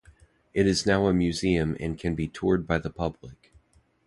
It is now a museum and can be toured by the public.